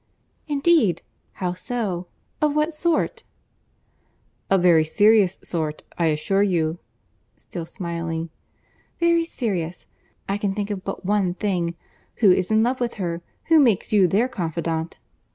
"Indeed! how so? of what sort?" "A very serious sort, I assure you;" still smiling. "Very serious! I can think of but one thing—Who is in love with her? Who makes you their confidant?"